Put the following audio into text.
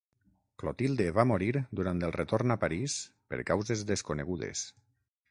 Clotilde va morir durant el retorn a París per causes desconegudes.